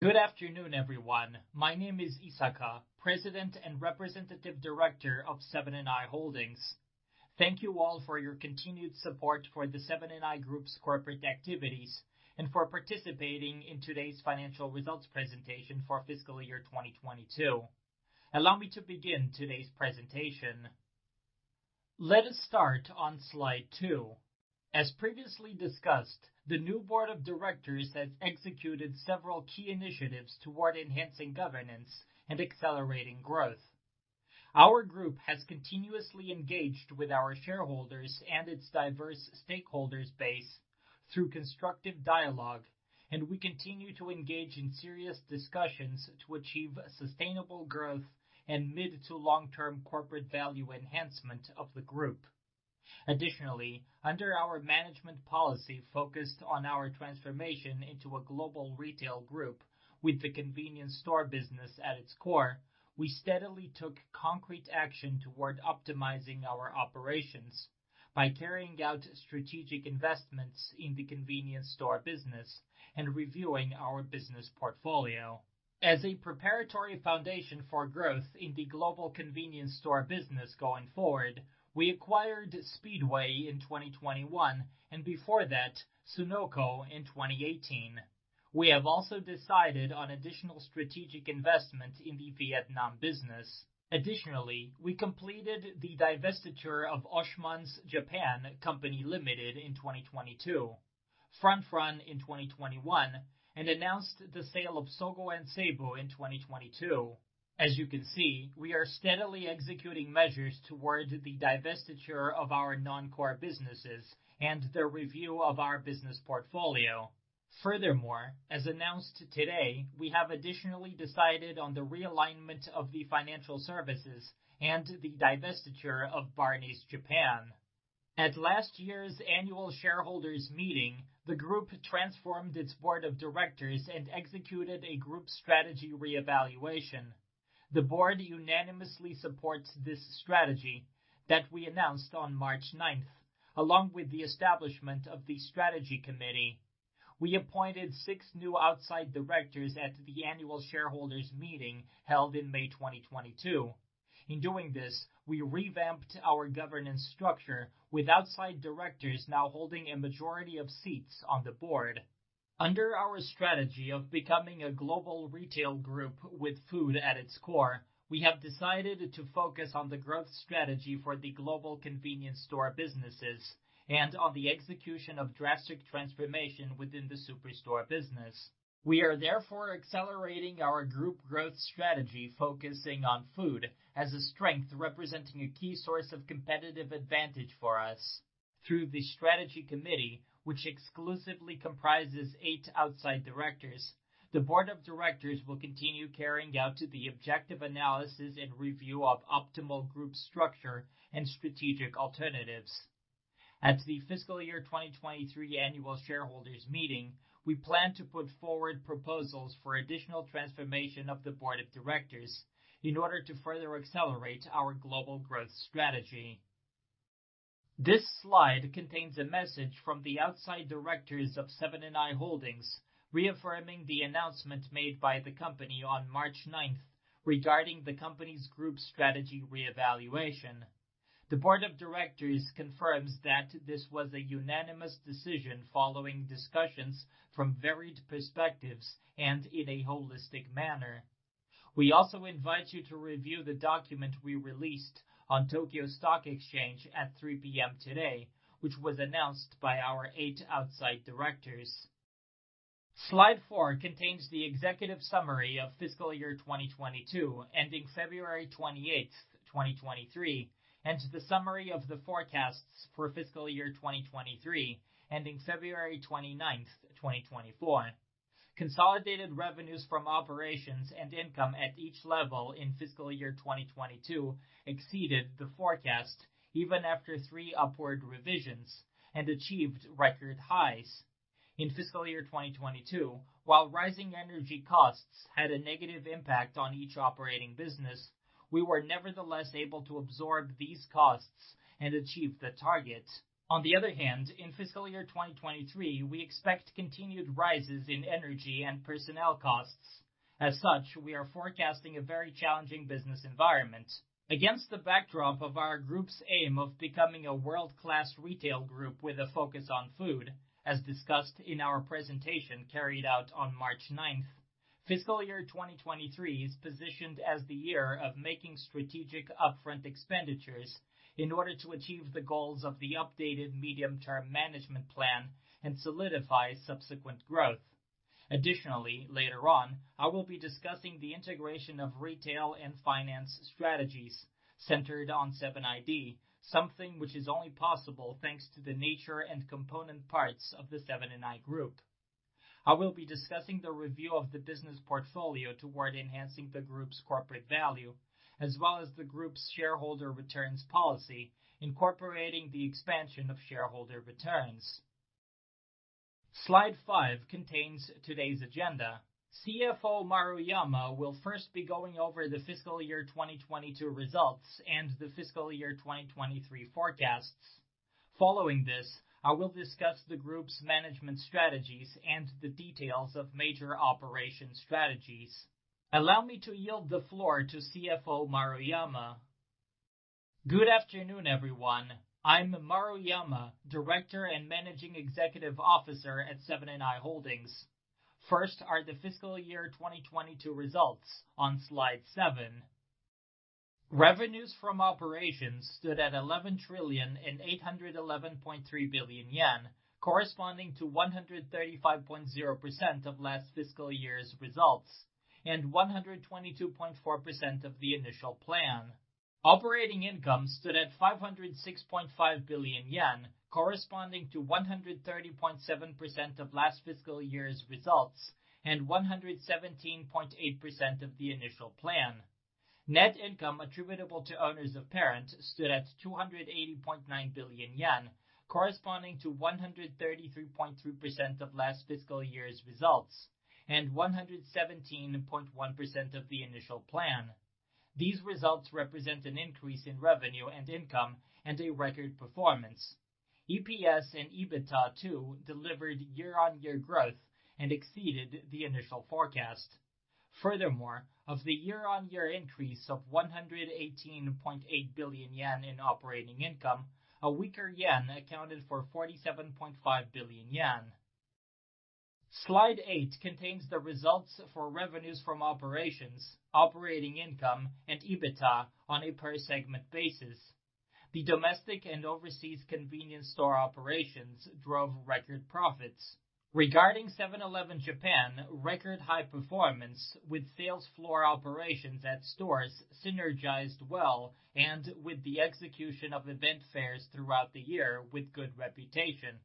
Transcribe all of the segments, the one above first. Good afternoon, everyone. My name is Isaka, President and Representative Director of Seven & i Holdings. Thank you all for your continued support for the Seven & i Group's corporate activities and for participating in today's financial results presentation for fiscal year 2022. Allow me to begin today's presentation. Let us start on Slide two. As previously discussed, the new board of directors has executed several key initiatives toward enhancing governance and accelerating growth. Our group has continuously engaged with our shareholders and its diverse stakeholders base through constructive dialogue. We continue to engage in serious discussions to achieve sustainable growth and mid to long-term corporate value enhancement of the group. Under our management policy focused on our transformation into a global retail group with the convenience store business at its core, we steadily took concrete action toward optimizing our operations by carrying out strategic investments in the convenience store business and reviewing our business portfolio. As a preparatory foundation for growth in the global convenience store business going forward, we acquired Speedway in 2021 and before that, Sunoco in 2018. We have also decided on additional strategic investment in the Vietnam business. We completed the divestiture of Oshman's Japan Co., Ltd. in 2022, Francfranc Corporation in 2021, and announced the sale of Sogo & Seibu in 2022. As you can see, we are steadily executing measures toward the divestiture of our non-core businesses and the review of our business portfolio. As announced today, we have additionally decided on the realignment of the financial services and the divestiture of Barneys Japan. At last year's annual shareholders meeting, the group transformed its board of directors and executed a group strategy reevaluation. The board unanimously supports this strategy that we announced on March 9th, along with the establishment of the Strategy Committee. We appointed six new outside directors at the annual shareholders meeting held in May 2022. In doing this, we revamped our governance structure with outside directors now holding a majority of seats on the board. Under our strategy of becoming a global retail group with food at its core, we have decided to focus on the growth strategy for the global convenience store businesses and on the execution of drastic transformation within the superstore business. We are therefore accelerating our group growth strategy, focusing on food as a strength representing a key source of competitive advantage for us. Through the Strategy Committee, which exclusively comprises eight outside directors, the board of directors will continue carrying out to the objective analysis and review of optimal group structure and strategic alternatives. At the fiscal year 2023 annual shareholders meeting, we plan to put forward proposals for additional transformation of the board of directors in order to further accelerate our global growth strategy. This slide contains a message from the outside directors of Seven & i Holdings, reaffirming the announcement made by the company on March 9th regarding the company's group strategy reevaluation. The board of directors confirms that this was a unanimous decision following discussions from varied perspectives and in a holistic manner. We also invite you to review the document we released on Tokyo Stock Exchange at 3:00 P.M. today, which was announced by our eight outside directors. Slide four contains the executive summary of fiscal year 2022, ending February 28th, 2023, and the summary of the forecasts for fiscal year 2023, ending February 29th, 2024. Consolidated revenues from operations and income at each level in fiscal year 2022 exceeded the forecast even after three upward revisions and achieved record highs. In fiscal year 2022, while rising energy costs had a negative impact on each operating business, we were nevertheless able to absorb these costs and achieve the target. On the other hand, in fiscal year 2023, we expect continued rises in energy and personnel costs. As such, we are forecasting a very challenging business environment. Against the backdrop of our group's aim of becoming a world-class retail group with a focus on food, as discussed in our presentation carried out on March 9th, fiscal year 2023 is positioned as the year of making strategic upfront expenditures in order to achieve the goals of the updated medium-term management plan and solidify subsequent growth. Later on, I will be discussing the integration of retail and finance strategies centered on 7iD, something which is only possible thanks to the nature and component parts of the Seven & i group. I will be discussing the review of the business portfolio toward enhancing the group's corporate value, as well as the group's shareholder returns policy, incorporating the expansion of shareholder returns. Slide five contains today's agenda. CFO Maruyama will first be going over the fiscal year 2022 results and the fiscal year 2023 forecasts. Following this, I will discuss the group's management strategies and the details of major operation strategies. Allow me to yield the floor to CFO Maruyama. Good afternoon, everyone. I'm Maruyama, Director and Managing Executive Officer at Seven & i Holdings. First are the fiscal year 2022 results on Slide seven. Revenues from operations stood at 11,811.3 billion yen, corresponding to 135.0% of last fiscal year's results and 122.4% of the initial plan. Operating income stood at 506.5 billion yen, corresponding to 130.7% of last fiscal year's results and 117.8% of the initial plan. Net income attributable to owners of parent stood at 280.9 billion yen, corresponding to 133.3% of last fiscal year's results and 117.1% of the initial plan. These results represent an increase in revenue and income and a record performance. EPS and EBITDA too delivered year-on-year growth and exceeded the initial forecast. Of the year-on-year increase of 118.8 billion yen in operating income, a weaker yen accounted for 47.5 billion yen. Slide eight contains the results for revenues from operations, operating income, and EBITDA on a per-segment basis. The domestic and overseas convenience store operations drove record profits. Regarding Seven-Eleven Japan, record high performance with sales floor operations at stores synergized well and with the execution of event fairs throughout the year with good reputation,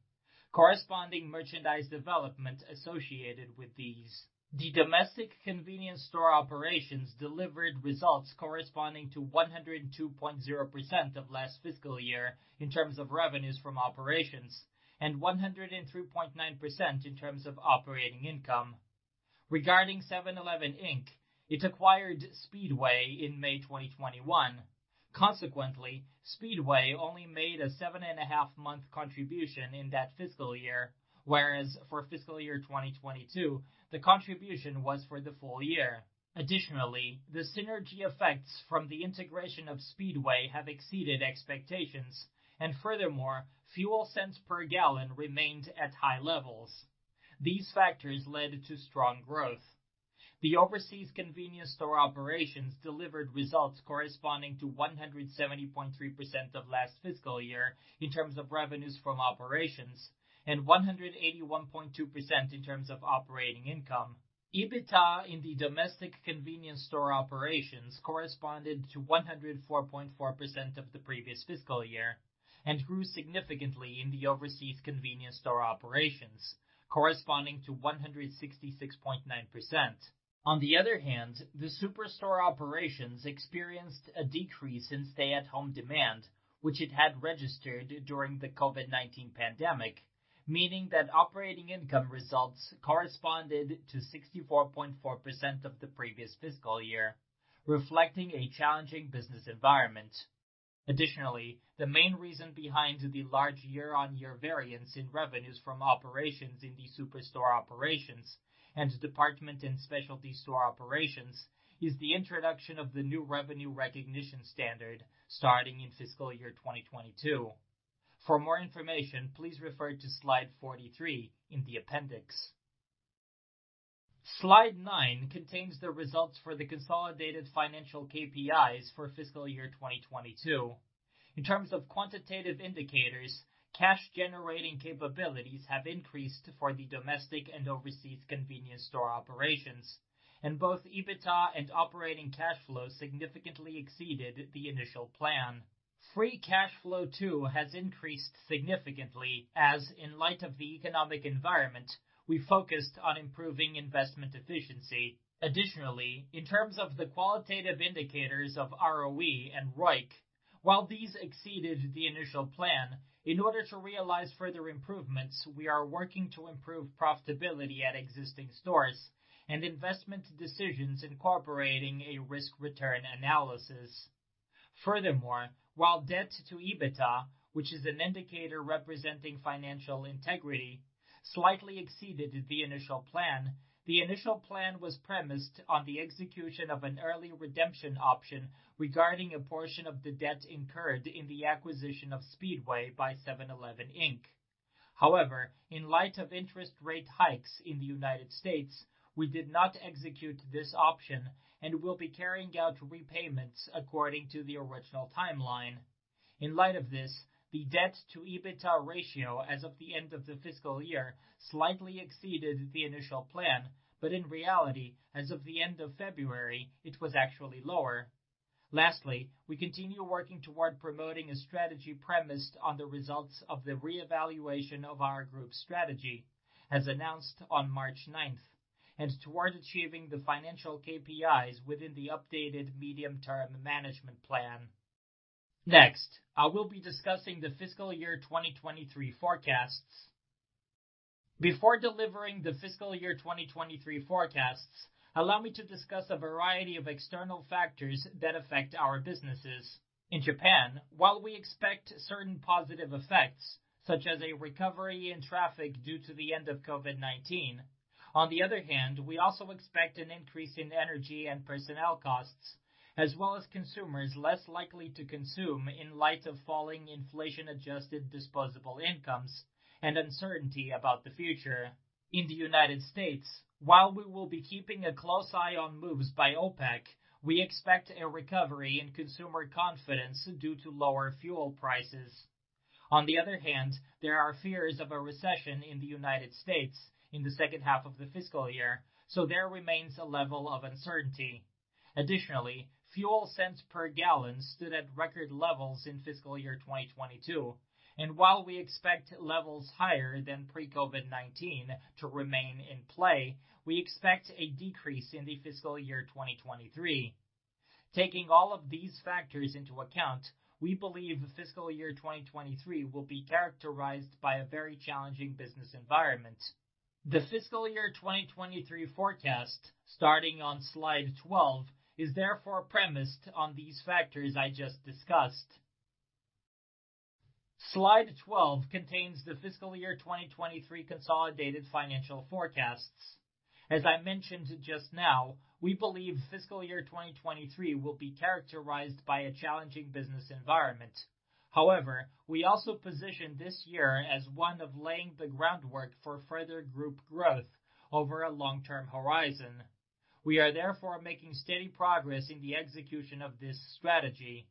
corresponding merchandise development associated with these. The domestic convenience store operations delivered results corresponding to 102.0% of last fiscal year in terms of revenues from operations and 103.9% in terms of operating income. Regarding 7-Eleven, Inc., it acquired Speedway in May 2021. Consequently, Speedway only made a seven-and-a-half month contribution in that fiscal year, whereas for fiscal year 2022, the contribution was for the full year. The synergy effects from the integration of Speedway have exceeded expectations. Furthermore, fuel cents per gallon remained at high levels. These factors led to strong growth. The overseas convenience store operations delivered results corresponding to 170.3% of last fiscal year in terms of revenues from operations and 181.2% in terms of operating income. EBITDA in the domestic convenience store operations corresponded to 104.4% of the previous fiscal year and grew significantly in the overseas convenience store operations, corresponding to 166.9%. On the other hand, the superstore operations experienced a decrease in stay-at-home demand, which it had registered during the COVID-19 pandemic, meaning that operating income results corresponded to 64.4% of the previous fiscal year, reflecting a challenging business environment. The main reason behind the large year-on-year variance in revenues from operations in the superstore operations and department and specialty store operations is the introduction of the new revenue recognition standard starting in fiscal year 2022. For more information, please refer to Slide 43 in the appendix. Slide nine contains the results for the consolidated financial KPIs for fiscal year 2022. In terms of quantitative indicators, cash-generating capabilities have increased for the domestic and overseas convenience store operations. Both EBITDA and operating cash flow significantly exceeded the initial plan. Free cash flow, too, has increased significantly, as in light of the economic environment, we focused on improving investment efficiency. In terms of the qualitative indicators of ROE and ROIC, while these exceeded the initial plan, in order to realize further improvements, we are working to improve profitability at existing stores and investment decisions incorporating a risk-return analysis. While debt-to-EBITDA, which is an indicator representing financial integrity, slightly exceeded the initial plan, the initial plan was premised on the execution of an early redemption option regarding a portion of the debt incurred in the acquisition of Speedway by 7-Eleven Inc. However, in light of interest rate hikes in the U.S., we did not execute this option and will be carrying out repayments according to the original timeline. In light of this, the debt-to-EBITDA ratio as of the end of the fiscal year slightly exceeded the initial plan, but in reality, as of the end of February, it was actually lower. Lastly, we continue working toward promoting a strategy premised on the results of the reevaluation of our group strategy as announced on March 9th and toward achieving the financial KPIs within the updated medium-term management plan. I will be discussing the fiscal year 2023 forecasts. Before delivering the fiscal year 2023 forecasts, allow me to discuss a variety of external factors that affect our businesses. In Japan, while we expect certain positive effects, such as a recovery in traffic due to the end of COVID-19, on the other hand, we also expect an increase in energy and personnel costs, as well as consumers less likely to consume in light of falling inflation-adjusted disposable incomes and uncertainty about the future. In the U.S., while we will be keeping a close eye on moves by OPEC, we expect a recovery in consumer confidence due to lower fuel prices. On the other hand, there are fears of a recession in the U.S. in the second half of the fiscal year, so there remains a level of uncertainty. Additionally, fuel cents per gallon stood at record levels in fiscal year 2022, and while we expect levels higher than pre-COVID-19 to remain in play, we expect a decrease in the fiscal year 2023. Taking all of these factors into account, we believe fiscal year 2023 will be characterized by a very challenging business environment. The fiscal year 2023 forecast, starting on slide 12, is therefore premised on these factors I just discussed. Slide 12 contains the fiscal year 2023 consolidated financial forecasts. As I mentioned just now, we believe fiscal year 2023 will be characterized by a challenging business environment. However, we also position this year as one of laying the groundwork for further group growth over a long-term horizon. We are therefore making steady progress in the execution of this strategy.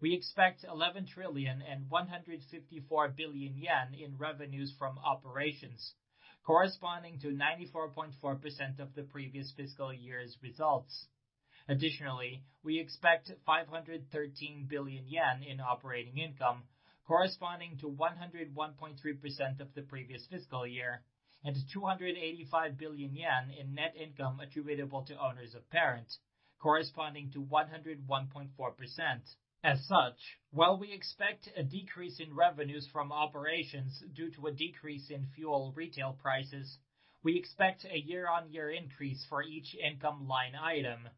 We expect 11 trillion and 154 billion yen in revenues from operations, corresponding to 94.4% of the previous fiscal year's results. Additionally, we expect 513 billion yen in operating income, corresponding to 101.3% of the previous fiscal year, and 285 billion yen in net income attributable to owners of parent, corresponding to 101.4%. As such, while we expect a decrease in revenues from operations due to a decrease in fuel retail prices, we expect a year-on-year increase for each income line item.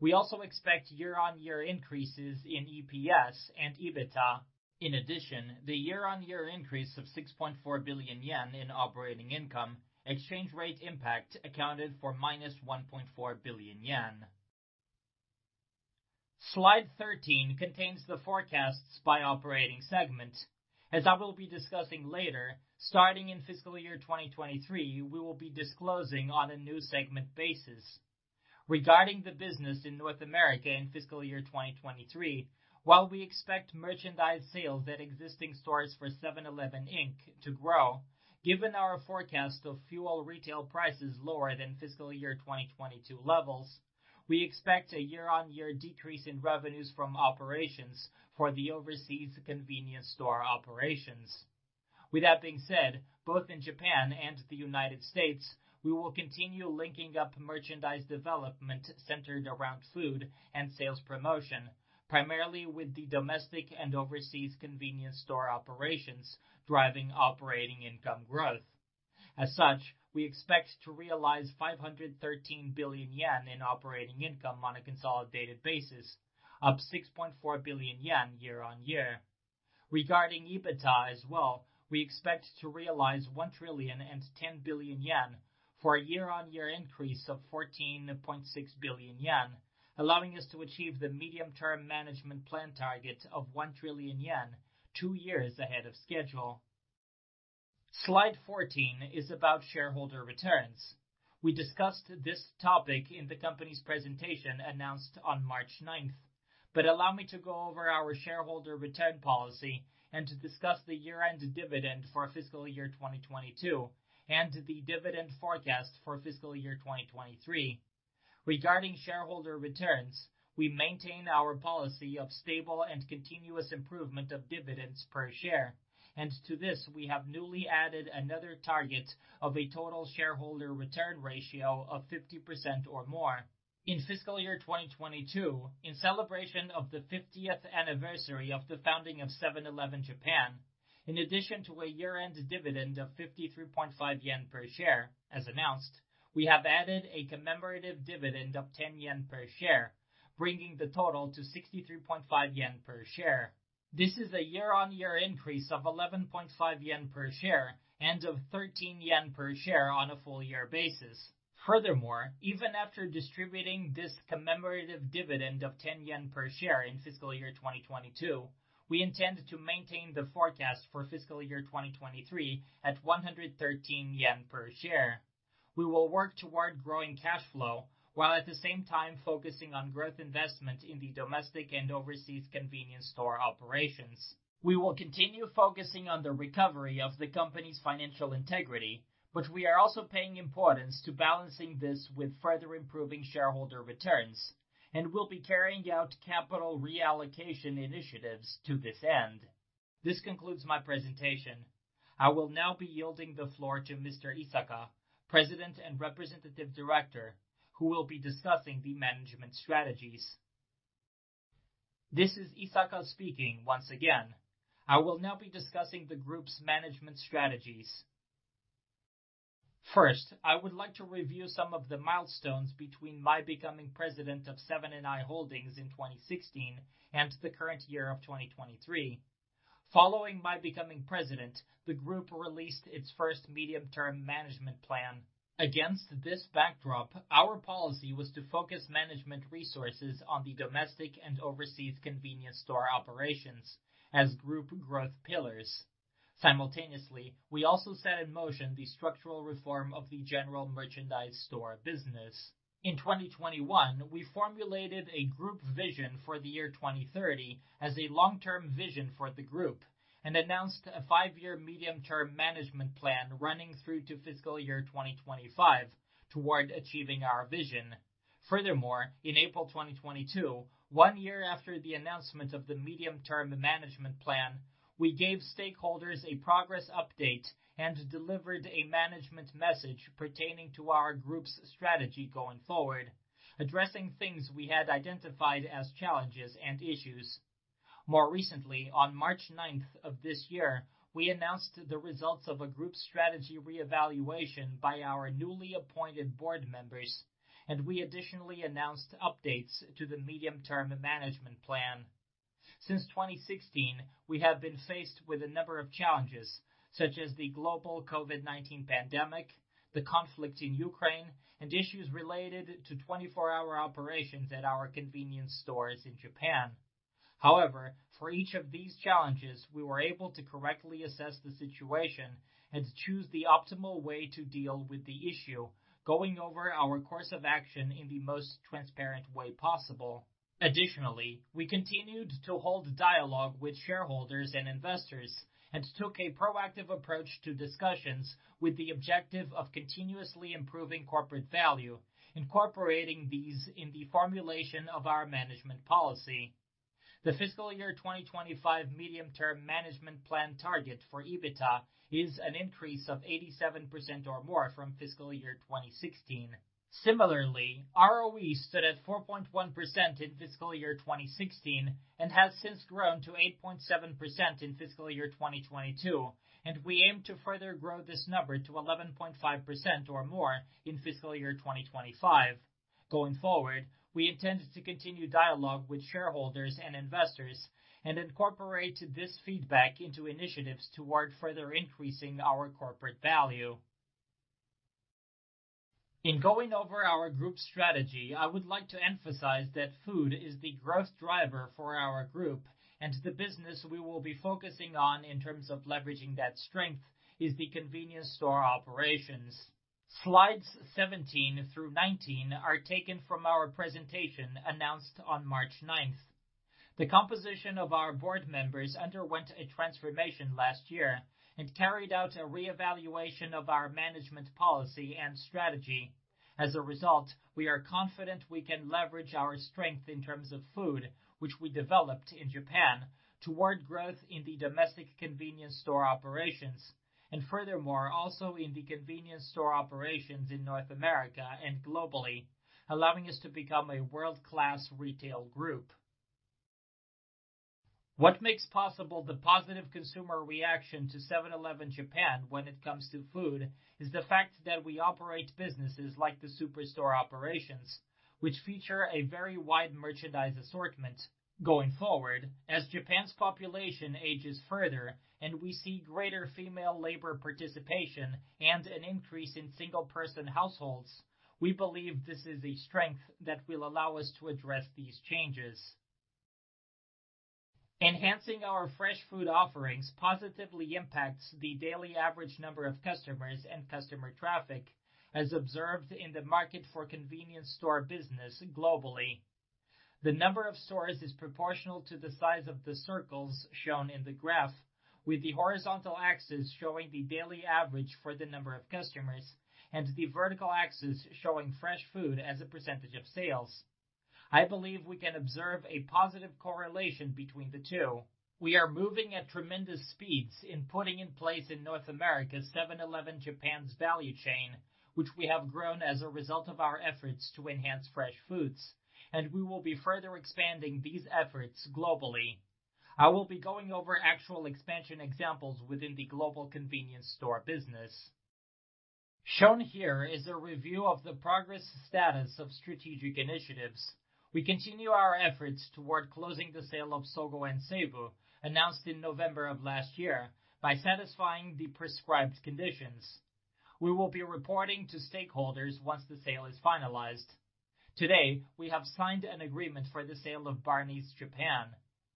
We also expect year-on-year increases in EPS and EBITDA. In addition, the year-on-year increase of 6.4 billion yen in operating income, exchange rate impact accounted for minus 1.4 billion yen. Slide 13 contains the forecasts by operating segment. As I will be discussing later, starting in fiscal year 2023, we will be disclosing on a new segment basis. Regarding the business in North America in fiscal year 2023, while we expect merchandise sales at existing stores for 7-Eleven, Inc. to grow, given our forecast of fuel retail prices lower than fiscal year 2022 levels, we expect a year-on-year decrease in revenues from operations for the overseas convenience store operations. With that being said, both in Japan and the United States, we will continue linking up merchandise development centered around food and sales promotion, primarily with the domestic and overseas convenience store operations driving operating income growth. As such, we expect to realize 513 billion yen in operating income on a consolidated basis, up 6.4 billion yen year-on-year. Regarding EBITDA as well, we expect to realize 1,010 billion yen for a year-on-year increase of 14.6 billion yen, allowing us to achieve the medium-term management plan target of 1 trillion yen two years ahead of schedule. Slide 14 is about shareholder returns. We discussed this topic in the company's presentation announced on March 9th, but allow me to go over our shareholder return policy and discuss the year-end dividend for fiscal year 2022 and the dividend forecast for fiscal year 2023. Regarding shareholder returns, we maintain our policy of stable and continuous improvement of dividends per share, and to this, we have newly added another target of a total shareholder return ratio of 50% or more. In fiscal year 2022, in celebration of the 50th anniversary of the founding of Seven-Eleven Japan, in addition to a year-end dividend of 53.5 yen per share, as announced, we have added a commemorative dividend of 10 yen per share, bringing the total to 63.5 yen per share. This is a year-on-year increase of 11.5 yen per share and of 13 yen per share on a full year basis. Furthermore, even after distributing this commemorative dividend of 10 yen per share in FY 2022, we intend to maintain the forecast for FY 2023 at 113 yen per share. We will work toward growing cash flow, while at the same time focusing on growth investment in the domestic and overseas convenience store operations. We will continue focusing on the recovery of the company's financial integrity, but we are also paying importance to balancing this with further improving shareholder returns and will be carrying out capital reallocation initiatives to this end. This concludes my presentation. I will now be yielding the floor to Mr. Isaka, President and Representative Director, who will be discussing the management strategies. This is Isaka speaking once again. I will now be discussing the group's management strategies. First, I would like to review some of the milestones between my becoming president of Seven & i Holdings in 2016 and the current year of 2023. Following my becoming president, the group released its first medium-term management plan. Against this backdrop, our policy was to focus management resources on the domestic and overseas convenience store operations as group growth pillars. Simultaneously, we also set in motion the structural reform of the general merchandise store business. In 2021, we formulated a group vision for the year 2030 as a long-term vision for the group and announced a five-year medium-term management plan running through to FY 2025 toward achieving our vision. In April 2022, one year after the announcement of the medium-term management plan, we gave stakeholders a progress update and delivered a management message pertaining to our group's strategy going forward, addressing things we had identified as challenges and issues. More recently, on March 9th of this year, we announced the results of a group strategy reevaluation by our newly appointed board members, and we additionally announced updates to the medium-term management plan. Since 2016, we have been faced with a number of challenges, such as the global COVID-19 pandemic, the conflict in Ukraine, and issues related to 24-hour operations at our convenience stores in Japan. However, for each of these challenges, we were able to correctly assess the situation and choose the optimal way to deal with the issue, going over our course of action in the most transparent way possible. We continued to hold dialogue with shareholders and investors and took a proactive approach to discussions with the objective of continuously improving corporate value, incorporating these in the formulation of our management policy. The FY 2025 medium-term management plan target for EBITDA is an increase of 87% or more from FY 2016. Similarly, ROE stood at 4.1% in FY 2016 and has since grown to 8.7% in FY 2022, and we aim to further grow this number to 11.5% or more in FY 2025. Going forward, we intend to continue dialogue with shareholders and investors and incorporate this feedback into initiatives toward further increasing our corporate value. In going over our group strategy, I would like to emphasize that food is the growth driver for our group, and the business we will be focusing on in terms of leveraging that strength is the convenience store operations. Slides 17 through 19 are taken from our presentation announced on March 9th. The composition of our board members underwent a transformation last year and carried out a reevaluation of our management policy and strategy. As a result, we are confident we can leverage our strength in terms of food, which we developed in Japan, toward growth in the domestic convenience store operations, and furthermore, also in the convenience store operations in North America and globally, allowing us to become a world-class retail group. What makes possible the positive consumer reaction to Seven-Eleven Japan when it comes to food is the fact that we operate businesses like the superstore operations, which feature a very wide merchandise assortment. Going forward, as Japan's population ages further and we see greater female labor participation and an increase in single-person households, we believe this is a strength that will allow us to address these changes. Enhancing our fresh food offerings positively impacts the daily average number of customers and customer traffic as observed in the market for convenience store business globally. The number of stores is proportional to the size of the circles shown in the graph, with the horizontal axis showing the daily average for the number of customers and the vertical axis showing fresh food as a % of sales. I believe we can observe a positive correlation between the two. We are moving at tremendous speeds in putting in place in North America Seven-Eleven Japan's value chain, which we have grown as a result of our efforts to enhance fresh foods, and we will be further expanding these efforts globally. I will be going over actual expansion examples within the global convenience store business. Shown here is a review of the progress status of strategic initiatives. We continue our efforts toward closing the sale of Sogo & Seibu, announced in November of last year, by satisfying the prescribed conditions. We will be reporting to stakeholders once the sale is finalized. Today, we have signed an agreement for the sale of Barneys Japan.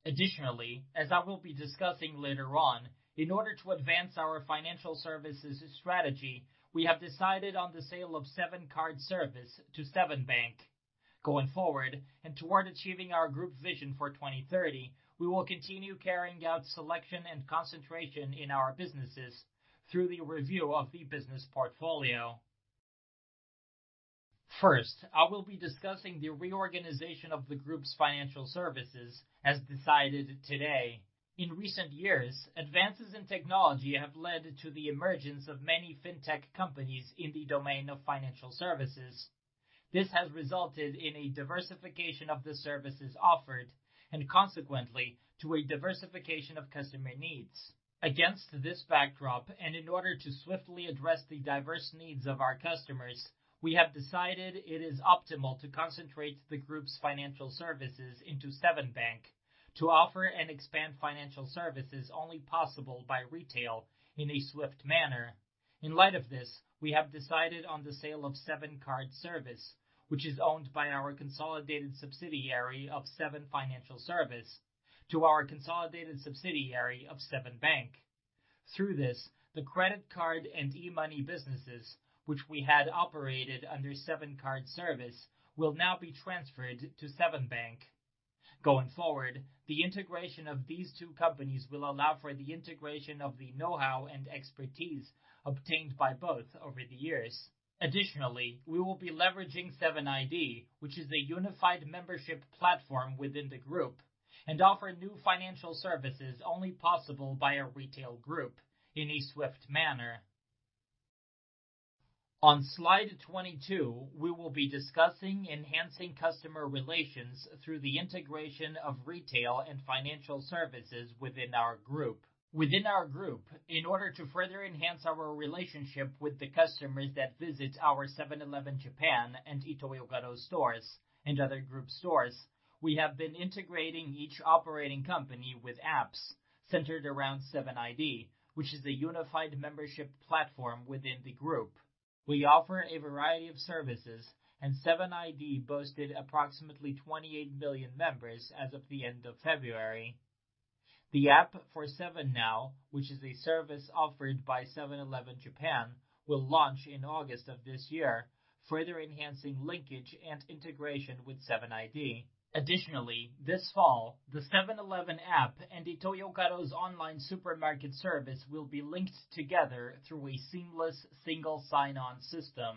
Additionally, as I will be discussing later on, in order to advance our financial services strategy, we have decided on the sale of Seven Card Service to Seven Bank. Going forward, and toward achieving our group vision for 2030, we will continue carrying out selection and concentration in our businesses through the review of the business portfolio. First, I will be discussing the reorganization of the group's financial services as decided today. In recent years, advances in technology have led to the emergence of many fintech companies in the domain of financial services. This has resulted in a diversification of the services offered, and consequently, to a diversification of customer needs. Against this backdrop, and in order to swiftly address the diverse needs of our customers, we have decided it is optimal to concentrate the group's financial services into Seven Bank to offer and expand financial services only possible by retail in a swift manner. In light of this, we have decided on the sale of Seven Card Service, which is owned by our consolidated subsidiary of Seven Financial Service, to our consolidated subsidiary of Seven Bank. Through this, the credit card and e-money businesses, which we had operated under Seven Card Service, will now be transferred to Seven Bank. Going forward, the integration of these two companies will allow for the integration of the know-how and expertise obtained by both over the years. Additionally, we will be leveraging 7iD, which is a unified membership platform within the group, and offer new financial services only possible by a retail group in a swift manner. On slide 22, we will be discussing enhancing customer relations through the integration of retail and financial services within our group. Within our group, in order to further enhance our relationship with the customers that visit our Seven-Eleven Japan and Ito-Yokado stores and other group stores, we have been integrating each operating company with apps centered around 7iD, which is a unified membership platform within the group. We offer a variety of services, and 7iD boasted approximately 28 million members as of the end of February. The app for 7NOW, which is a service offered by Seven-Eleven Japan, will launch in August of this year, further enhancing linkage and integration with 7iD. Additionally, this fall, the 7-Eleven app and Ito-Yokado's online supermarket service will be linked together through a seamless single sign-on system.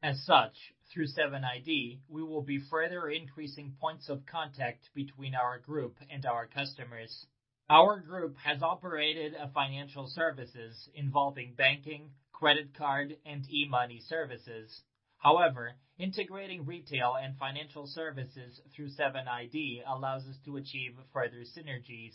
As such, through 7iD, we will be further increasing points of contact between our group and our customers. Our group has operated a financial services involving banking, credit card, and e-money services. However, integrating retail and financial services through 7iD allows us to achieve further synergies.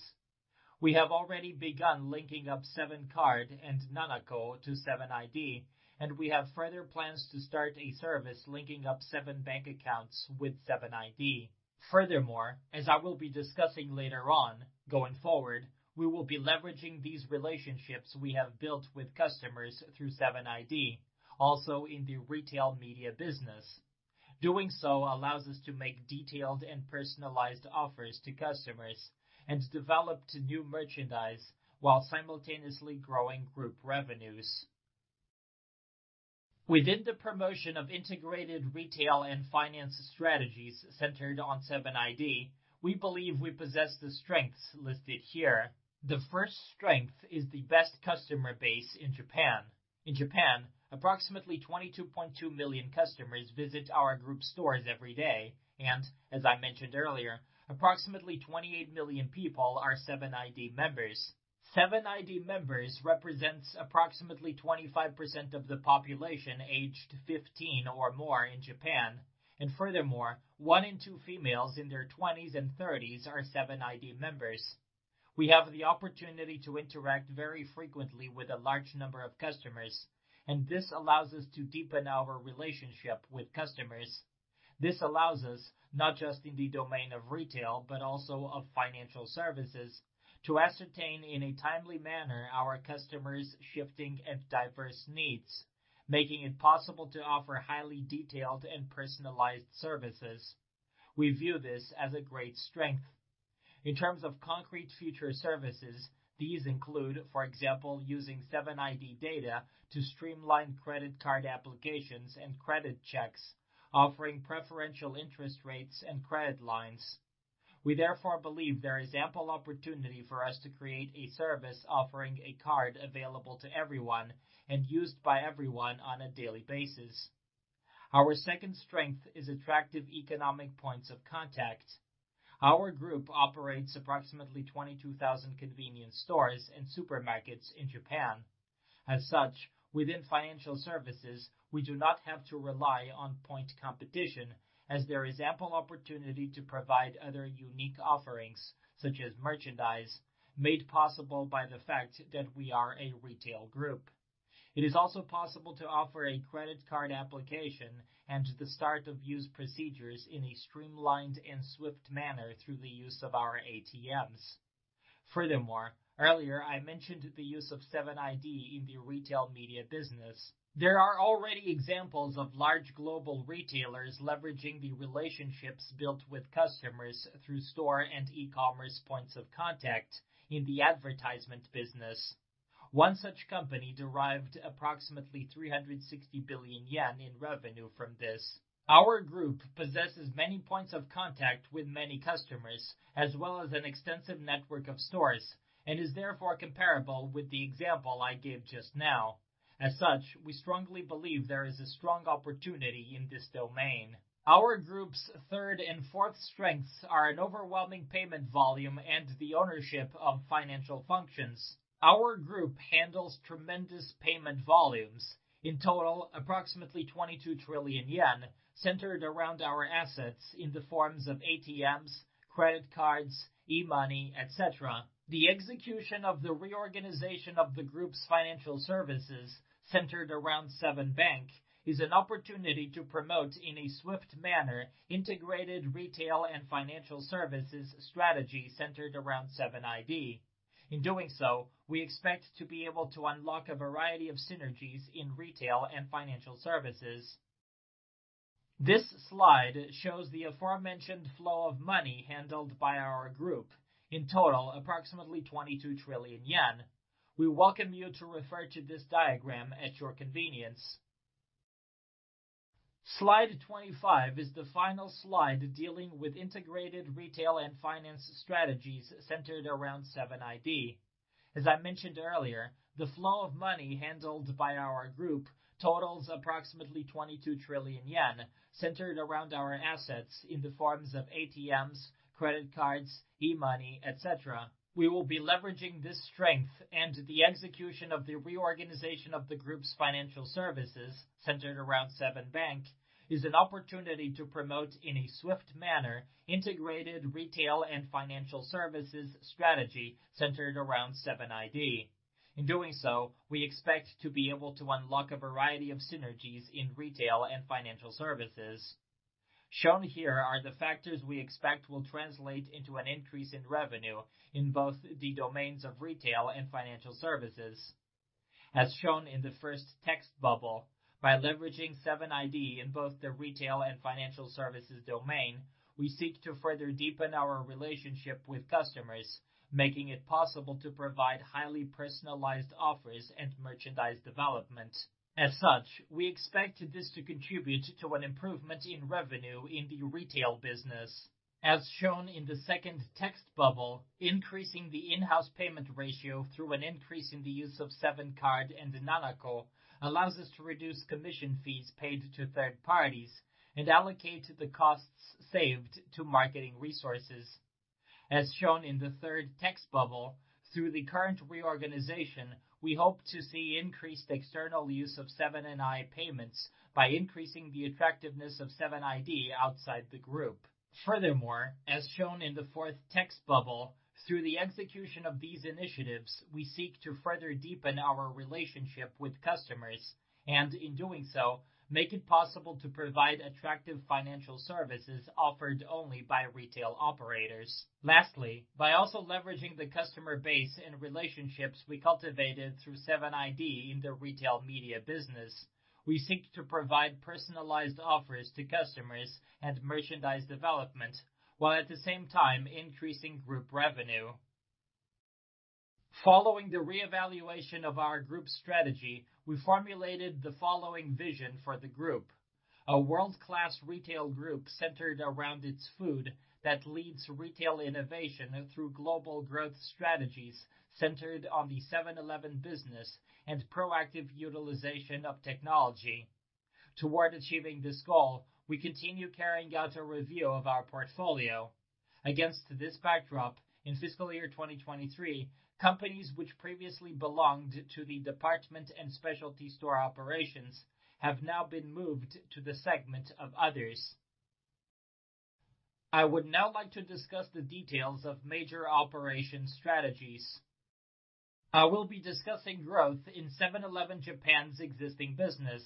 We have already begun linking up Seven Card and nanaco to 7iD, and we have further plans to start a service linking up Seven Bank accounts with 7iD. Furthermore, as I will be discussing later on, going forward, we will be leveraging these relationships we have built with customers through 7iD, also in the Retail Media business. Doing so allows us to make detailed and personalized offers to customers and develop new merchandise while simultaneously growing group revenues. Within the promotion of integrated retail and finance strategies centered on 7iD, we believe we possess the strengths listed here. The first strength is the best customer base in Japan. In Japan, approximately 22.2 million customers visit our group stores every day. As I mentioned earlier, approximately 28 million people are 7iD members. 7iD members represents approximately 25% of the population aged 15 or more in Japan, and furthermore, one in two females in their 20s and 30s are 7iD members. We have the opportunity to interact very frequently with a large number of customers, and this allows us to deepen our relationship with customers. This allows us, not just in the domain of retail, but also of financial services, to ascertain in a timely manner our customers' shifting and diverse needs, making it possible to offer highly detailed and personalized services. We view this as a great strength. In terms of concrete future services, these include, for example, using 7iD data to streamline credit card applications and credit checks, offering preferential interest rates and credit lines. We believe there is ample opportunity for us to create a service offering a card available to everyone and used by everyone on a daily basis. Our second strength is attractive economic points of contact. Our group operates approximately 22,000 convenience stores and supermarkets in Japan. As such, within financial services, we do not have to rely on point competition as there is ample opportunity to provide other unique offerings, such as merchandise, made possible by the fact that we are a retail group. It is also possible to offer a credit card application and the start of use procedures in a streamlined and swift manner through the use of our ATMs. Furthermore, earlier I mentioned the use of 7iD in the Retail Media business. There are already examples of large global retailers leveraging the relationships built with customers through store and e-commerce points of contact in the advertisement business. One such company derived approximately 360 billion yen in revenue from this. Our group possesses many points of contact with many customers, as well as an extensive network of stores, is therefore comparable with the example I gave just now. We strongly believe there is a strong opportunity in this domain. Our group's third and fourth strengths are an overwhelming payment volume and the ownership of financial functions. Our group handles tremendous payment volumes. In total, approximately 22 trillion yen, centered around our assets in the forms of ATMs, credit cards, e-money, et cetera. The execution of the reorganization of the group's financial services, centered around Seven Bank, is an opportunity to promote, in a swift manner, integrated retail and financial services strategy centered around 7iD. In doing so, we expect to be able to unlock a variety of synergies in retail and financial services. This slide shows the aforementioned flow of money handled by our group. In total, approximately 22 trillion yen. We welcome you to refer to this diagram at your convenience. Slide 25 is the final slide dealing with integrated retail and finance strategies centered around 7iD. As I mentioned earlier, the flow of money handled by our group totals approximately 22 trillion yen, centered around our assets in the forms of ATMs, credit cards, e-money, et cetera. We will be leveraging this strength, the execution of the reorganization of the group's financial services, centered around Seven Bank, is an opportunity to promote, in a swift manner, integrated retail and financial services strategy centered around 7iD. In doing so, we expect to be able to unlock a variety of synergies in retail and financial services. Shown here are the factors we expect will translate into an increase in revenue in both the domains of retail and financial services. By leveraging 7iD in both the retail and financial services domain, we seek to further deepen our relationship with customers, making it possible to provide highly personalized offers and merchandise development. We expect this to contribute to an improvement in revenue in the retail business. As shown in the second text bubble, increasing the in-house payment ratio through an increase in the use of Seven Card and nanaco allows us to reduce commission fees paid to third parties and allocate the costs saved to marketing resources. As shown in the third text bubble, through the current reorganization, we hope to see increased external use of Seven & i payments by increasing the effectiveness of 7iD outside the group. Furthermore, as shown in the fourth text bubble, through the execution of these initiatives, we seek to further deepen our relationship with customers and, in doing so, make it possible to provide attractive financial services offered only by retail operators. By also leveraging the customer base and relationships we cultivated through 7iD in the Retail Media business, we seek to provide personalized offers to customers and merchandise development, while at the same time increasing group revenue. Following the reevaluation of our group strategy, we formulated the following vision for the group: a world-class retail group centered around its food that leads retail innovation through global growth strategies centered on the 7-Eleven business and proactive utilization of technology. Achieving this goal, we continue carrying out a review of our portfolio. Against this backdrop, in fiscal year 2023, companies which previously belonged to the department and specialty store operations have now been moved to the segment of others. I would now like to discuss the details of major operation strategies. I will be discussing growth in Seven-Eleven Japan's existing business.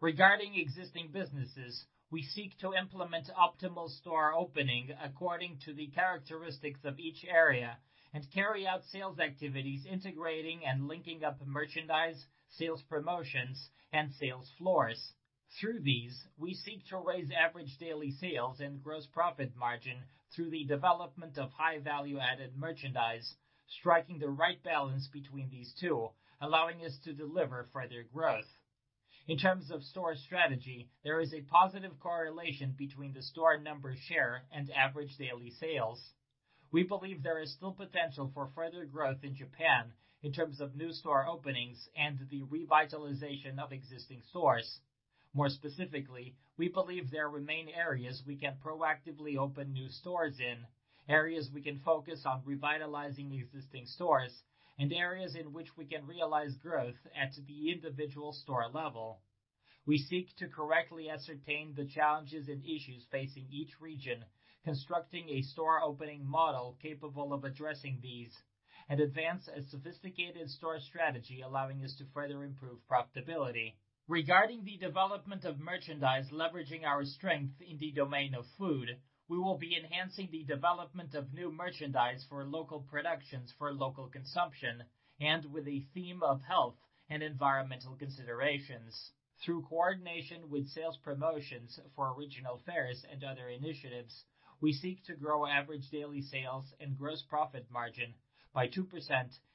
Regarding existing businesses, we seek to implement optimal store opening according to the characteristics of each area and carry out sales activities integrating and linking up merchandise, sales promotions, and sales floors. Through these, we seek to raise average daily sales and gross profit margin through the development of high value-added merchandise, striking the right balance between these two, allowing us to deliver further growth. In terms of store strategy, there is a positive correlation between the store number share and average daily sales. We believe there is still potential for further growth in Japan in terms of new store openings and the revitalization of existing stores. More specifically, we believe there remain areas we can proactively open new stores in, areas we can focus on revitalizing existing stores, and areas in which we can realize growth at the individual store level. We seek to correctly ascertain the challenges and issues facing each region, constructing a store opening model capable of addressing these, and advance a sophisticated store strategy allowing us to further improve profitability. Regarding the development of merchandise leveraging our strength in the domain of food, we will be enhancing the development of new merchandise for local productions for local consumption, with the theme of health and environmental considerations. Through coordination with sales promotions for regional fairs and other initiatives, we seek to grow average daily sales and gross profit margin by 2%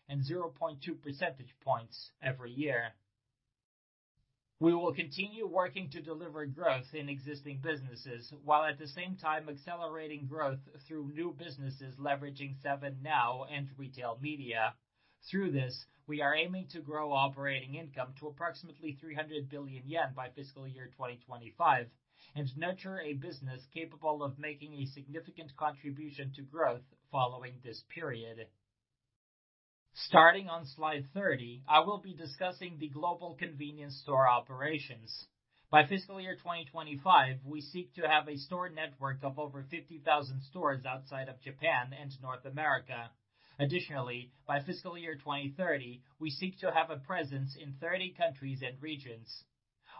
and 0.2 percentage points every year. We will continue working to deliver growth in existing businesses while at the same time accelerating growth through new businesses leveraging 7NOW and Retail Media. Through this, we are aiming to grow operating income to approximately 300 billion yen by FY 2025 and nurture a business capable of making a significant contribution to growth following this period. Starting on slide 30, I will be discussing the global convenience store operations. By FY 2025, we seek to have a store network of over 50,000 stores outside of Japan and North America. Additionally, by FY 2030, we seek to have a presence in 30 countries and regions.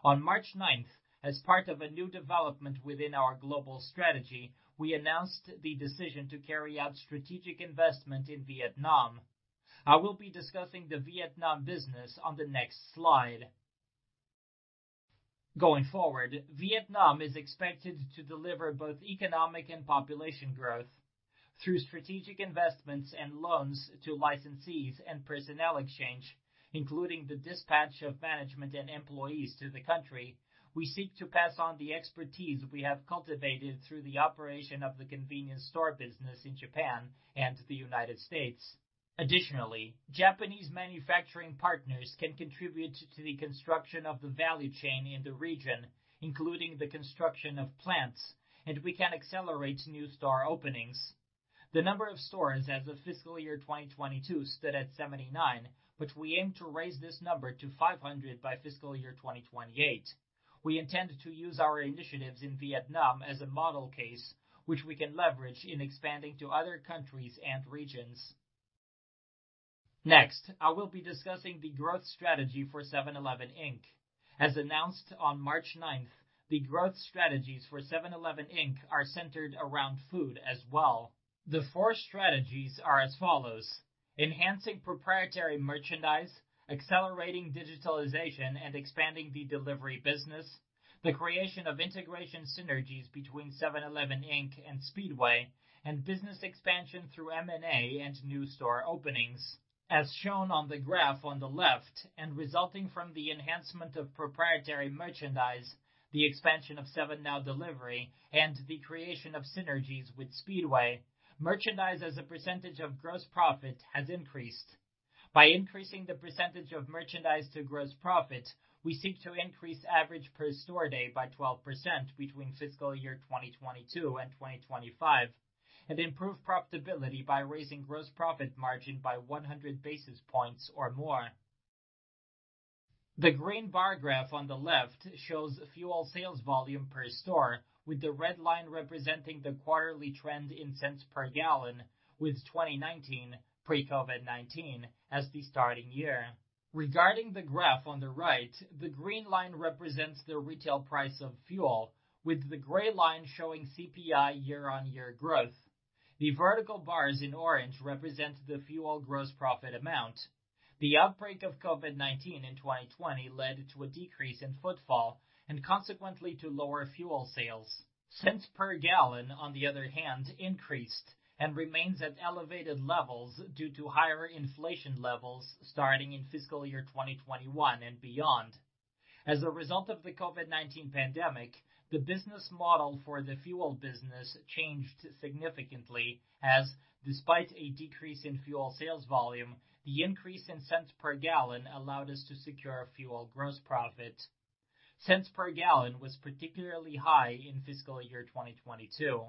On March 9th, as part of a new development within our global strategy, we announced the decision to carry out strategic investment in Vietnam. I will be discussing the Vietnam business on the next slide. Going forward, Vietnam is expected to deliver both economic and population growth. Through strategic investments and loans to licensees and personnel exchange, including the dispatch of management and employees to the country, we seek to pass on the expertise we have cultivated through the operation of the convenience store business in Japan and the United States. Additionally, Japanese manufacturing partners can contribute to the construction of the value chain in the region, including the construction of plants, and we can accelerate new store openings. The number of stores as of FY 2022 stood at 79, but we aim to raise this number to 500 by FY 2028. We intend to use our initiatives in Vietnam as a model case, which we can leverage in expanding to other countries and regions. Next, I will be discussing the growth strategy for 7-Eleven, Inc. As announced on March 9th, the growth strategies for 7-Eleven, Inc. are centered around food as well. The four strategies are as follows: enhancing proprietary merchandise, accelerating digitalization and expanding the delivery business, the creation of integration synergies between 7-Eleven, Inc. and Speedway, and business expansion through M&A and new store openings. As shown on the graph on the left and resulting from the enhancement of proprietary merchandise, the expansion of 7NOW Delivery, and the creation of synergies with Speedway, merchandise as a percentage of gross profit has increased. By increasing the percentage of merchandise to gross profit, we seek to increase average per store day by 12% between FY 2022 and 2025 and improve profitability by raising gross profit margin by 100 basis points or more. The green bar graph on the left shows fuel sales volume per store, with the red line representing the quarterly trend in cents per gallon, with 2019, pre-COVID-19, as the starting year. Regarding the graph on the right, the green line represents the retail price of fuel, with the gray line showing CPI year-on-year growth. The vertical bars in orange represent the fuel gross profit amount. The outbreak of COVID-19 in 2020 led to a decrease in footfall and consequently to lower fuel sales. Cents per gallon, on the other hand, increased and remains at elevated levels due to higher inflation levels starting in FY 2021 and beyond. As a result of the COVID-19 pandemic, the business model for the fuel business changed significantly as, despite a decrease in fuel sales volume, the increase in cents per gallon allowed us to secure fuel gross profit. Cents per gallon was particularly high in FY 2022.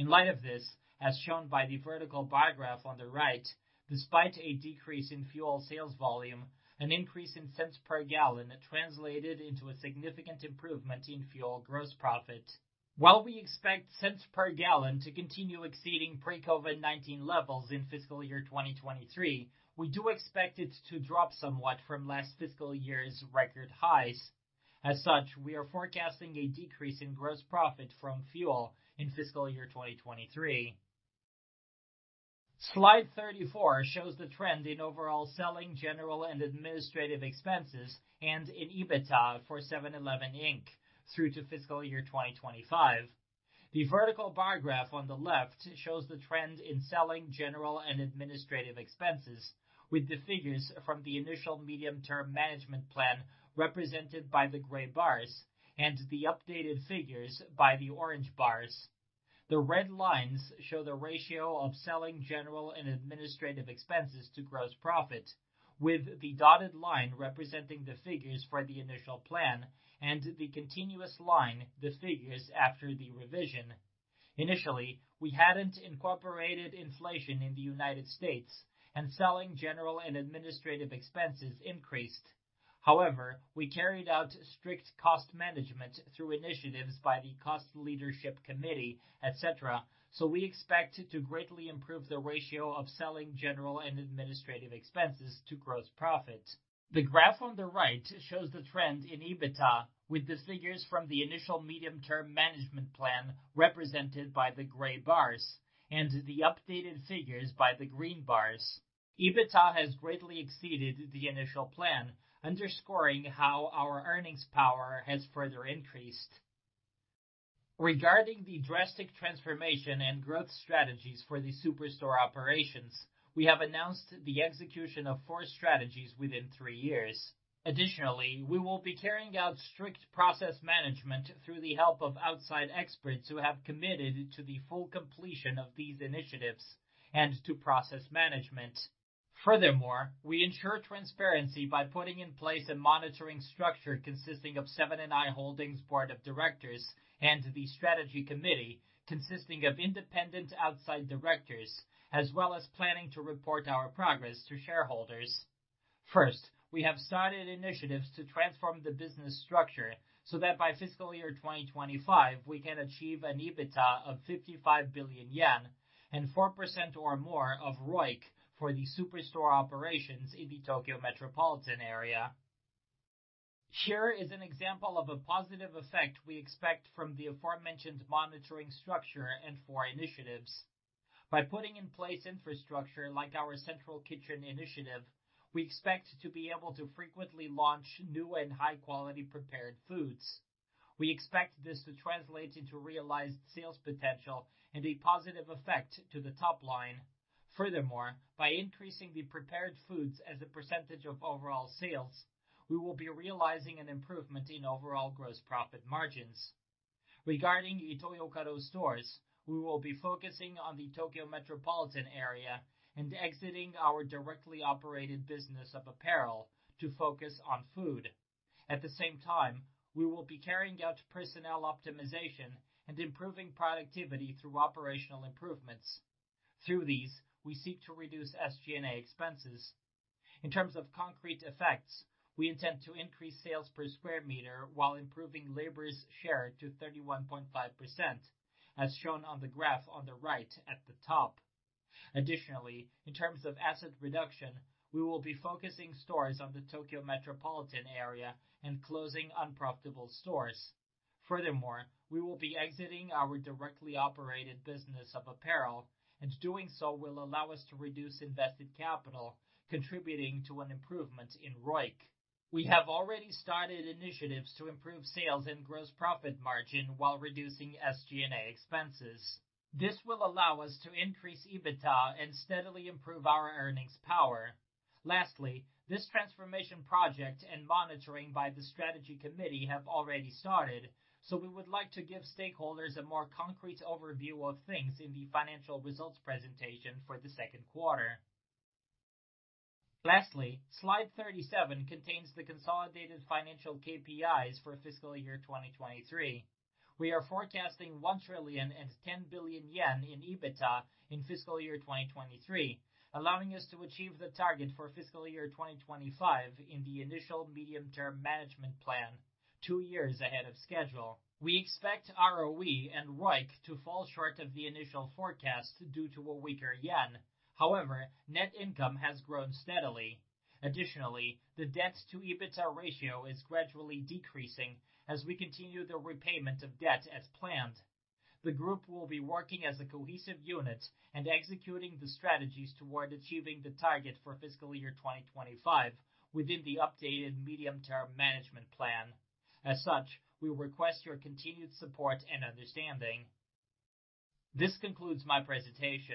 In light of this, as shown by the vertical bar graph on the right, despite a decrease in fuel sales volume, an increase in cents per gallon translated into a significant improvement in fuel gross profit. While we expect cents per gallon to continue exceeding pre-COVID-19 levels in FY 2023, we do expect it to drop somewhat from last fiscal year's record highs. We are forecasting a decrease in gross profit from fuel in FY 2023. Slide 34 shows the trend in overall selling general and administrative expenses and in EBITDA for 7-Eleven, Inc. through to FY 2025. The vertical bar graph on the left shows the trend in selling general and administrative expenses, with the figures from the initial medium-term management plan represented by the gray bars and the updated figures by the orange bars. The red lines show the ratio of selling general and administrative expenses to gross profit, with the dotted line representing the figures for the initial plan and the continuous line, the figures after the revision. Initially, we hadn't incorporated inflation in the U.S., and selling general and administrative expenses increased. However, we carried out strict cost management through initiatives by the Cost Leadership Committee, etc. We expect to greatly improve the ratio of selling general and administrative expenses to gross profit. The graph on the right shows the trend in EBITDA, with the figures from the initial medium-term management plan represented by the gray bars and the updated figures by the green bars. EBITDA has greatly exceeded the initial plan, underscoring how our earnings power has further increased. Regarding the drastic transformation and growth strategies for the Superstore operations, we have announced the execution of four strategies within three years. We will be carrying out strict process management through the help of outside experts who have committed to the full completion of these initiatives and to process management. We ensure transparency by putting in place a monitoring structure consisting of Seven & i Holdings Board of Directors and the Strategy Committee, consisting of independent outside directors, as well as planning to report our progress to shareholders. First, we have started initiatives to transform the business structure so that by FY 2025, we can achieve an EBITDA of 55 billion yen and 4% or more of ROIC for the Superstore operations in the Tokyo Metropolitan area. Here is an example of a positive effect we expect from the aforementioned monitoring structure and four initiatives. By putting in place infrastructure like our central kitchen initiative, we expect to be able to frequently launch new and high-quality prepared foods. We expect this to translate into realized sales potential and a positive effect to the top line. Furthermore, by increasing the prepared foods as a percentage of overall sales, we will be realizing an improvement in overall gross profit margins. Regarding Ito-Yokado stores, we will be focusing on the Tokyo Metropolitan area and exiting our directly operated business of apparel to focus on food. At the same time, we will be carrying out personnel optimization and improving productivity through operational improvements. Through these, we seek to reduce SG&A expenses. In terms of concrete effects, we intend to increase sales per square meter while improving labor's share to 31.5%, as shown on the graph on the right at the top. Additionally, in terms of asset reduction, we will be focusing stores on the Tokyo Metropolitan Area and closing unprofitable stores. Furthermore, we will be exiting our directly operated business of apparel, doing so will allow us to reduce invested capital, contributing to an improvement in ROIC. We have already started initiatives to improve sales and gross profit margin while reducing SG&A expenses. This will allow us to increase EBITDA and steadily improve our earnings power. Lastly, this transformation project and monitoring by the Strategy Committee have already started, we would like to give stakeholders a more concrete overview of things in the financial results presentation for the second quarter. Lastly, slide 37 contains the consolidated financial KPIs for FY 2023. We are forecasting 1,010 billion yen in EBITDA in FY 2023, allowing us to achieve the target for FY 2025 in the initial medium-term management plan two years ahead of schedule. We expect ROE and ROIC to fall short of the initial forecast due to a weaker yen. However, net income has grown steadily. Additionally, the debt-to-EBITDA ratio is gradually decreasing as we continue the repayment of debt as planned. The group will be working as a cohesive unit and executing the strategies toward achieving the target for FY 2025 within the updated medium-term management plan. As such, we request your continued support and understanding. This concludes my presentation.